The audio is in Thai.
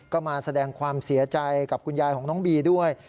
ก็มาแสดงความเสียใจกับคุณยายของน้องบีด้วย